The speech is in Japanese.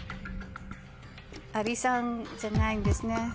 アリさんじゃないんですね。